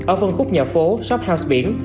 ở phần khúc nhà phố shophouse biển